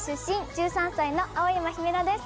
１３歳の青山姫乃です